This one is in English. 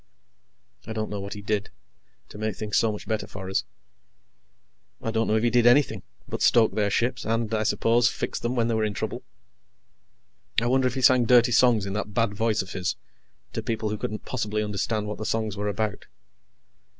I don't know what he did, to make things so much better for us. I don't know if he did anything, but stoke their ships and, I suppose, fix them when they were in trouble. I wonder if he sang dirty songs in that bad voice of his, to people who couldn't possibly understand what the songs were about.